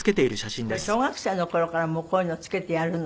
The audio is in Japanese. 小学生の頃からこういうの着けてやるの？